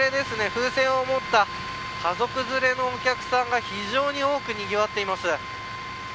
風船を持った家族連れのお客さんが非常に多くにぎわっています。